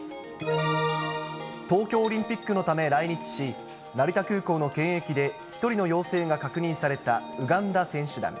東京オリンピックのため来日し、成田空港の検疫で１人の陽性が確認されたウガンダ選手団。